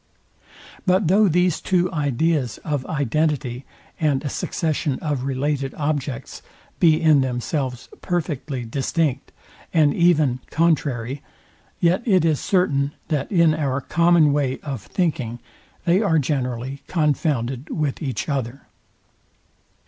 But though these two ideas of identity, and a succession of related objects be in themselves perfectly distinct, and even contrary, yet it is certain, that in our common way of thinking they are generally confounded with each other.